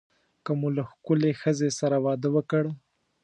که مو له ښکلې ښځې سره واده وکړ.